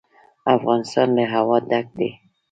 افغانستان له هوا ډک دی.